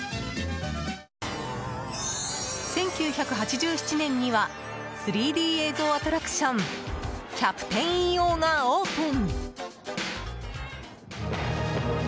１９８７年には３Ｄ映像アトラクションキャプテンＥＯがオープン。